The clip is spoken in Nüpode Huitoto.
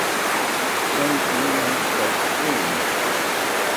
Kaɨ ua kaɨ eeno.